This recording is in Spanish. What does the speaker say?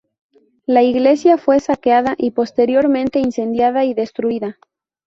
La iglesia fue saqueada, y posteriormente incendiada y destruida.